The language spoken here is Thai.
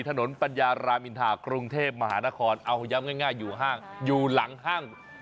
ปัญญารามอินทากรุงเทพมหานครเอาย้ำง่ายอยู่ห้างอยู่หลังห้าง